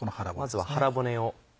まずは腹骨を。